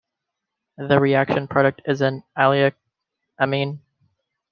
The reaction product is an allylic amine.